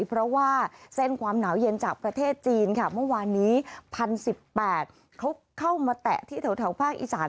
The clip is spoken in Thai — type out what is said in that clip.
เพราะว่าเส้นความหนาวเย็นจากประเทศจีนค่ะเมื่อวานนี้๑๐๑๘เขาเข้ามาแตะที่แถวภาคอีสาน